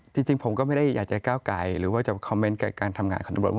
จริงผมก็ไม่ได้อยากจะก้าวไกลหรือว่าจะคอมเมนต์กับการทำงานของตำรวจ